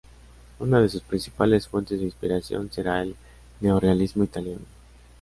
Una de sus principales fuentes de inspiración será el neorrealismo italiano.